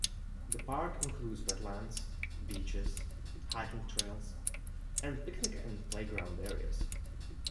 The park includes wetlands, beaches, hiking trails, and picnic and playground areas.